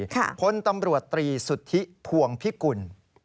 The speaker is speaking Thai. พลตำรวจตรีสุทธิพวงพิกุล